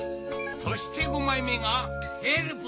そして５枚目が『ヘルプ！』